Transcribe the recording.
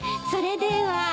それでは。